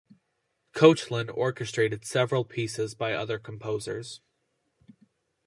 Koechlin orchestrated several pieces by other composers.